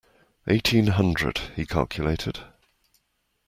Eighteen hundred, he calculated.